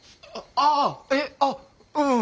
ああうん。